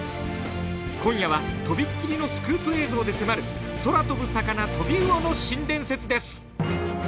今夜は飛びっ切りのスクープ映像で迫る空飛ぶ魚トビウオの新伝説です。